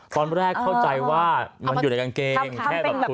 ตอนแรกเข้าใจว่ามันอยู่ในกางเกงแค่แบบ